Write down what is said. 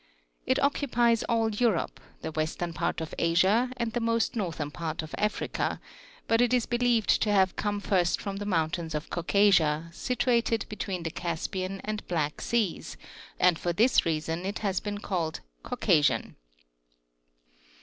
It occupies all Europe, the western part of Asia, and the most northern part of Africa ; but it is be lieved to have come first from the mountains of Caucasia, situate between the Caspian and Black Seas, and for this reason it has been called Caucasian.